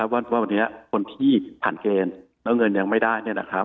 ว่าวันนี้คนที่ผ่านเกณฑ์แล้วเงินยังไม่ได้